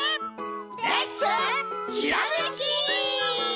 レッツひらめき！